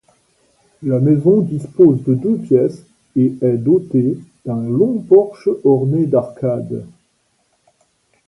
La maison dispose de deux pièces et est dotée d'un long porche orné d'arcades.